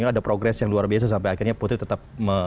ada progres yang luar biasa sampai akhirnya putri tetap